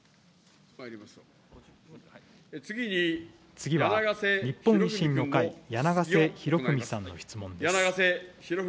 次は日本維新の会、柳ヶ瀬裕文さんの質問です。